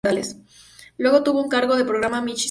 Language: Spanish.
Luego tuvo a su cargo el programa "Michi Show".